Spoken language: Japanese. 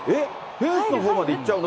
フェンスのほうまで行っちゃうの？